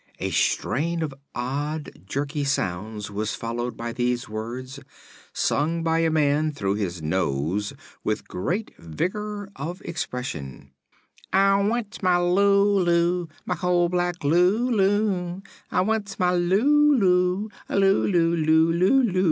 A strain of odd, jerky sounds was followed by these words, sung by a man through his nose with great vigor of expression: "Ah wants mah Lulu, mah coal black Lulu; Ah wants mah loo loo, loo loo, loo loo, Lu!